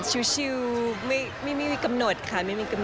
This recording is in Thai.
ชิลไม่มีกำหนดค่ะ